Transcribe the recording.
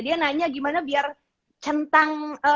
dia nanya gimana biar centang